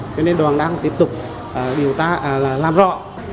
cho nên đoàn đang tiếp tục làm rõ